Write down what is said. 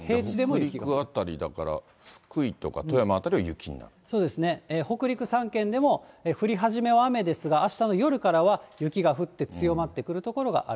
北陸辺りだから、そうですね、北陸３県でも、振り始めは雨ですが、あしたの夜からは雪が降って、強まってくる所がある。